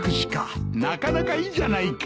なかなかいいじゃないか。